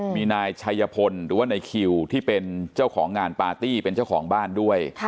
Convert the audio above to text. มีนายชัยพลหรือว่าในคิวที่เป็นเจ้าของงานปาร์ตี้เป็นเจ้าของบ้านด้วย